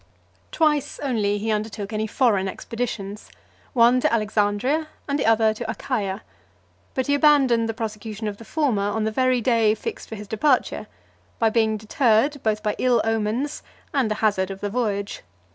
Twice only he undertook any foreign expeditions, one to Alexandria, and the other to Achaia; but he abandoned the prosecution of the former on the very day fixed for his departure, by being deterred both by ill omens, and the hazard of the voyage.